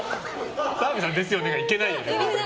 澤部さんですよねが行けないよね。